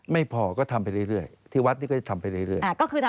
ไม่พอก็ทำไปเรื่อยที่วัดนี้ก็จะทำไปเรื่อย